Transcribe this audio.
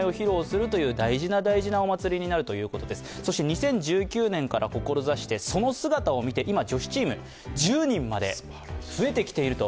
２０１９年から志してその姿を見て今、女子チーム、１０人まで増えてきていると。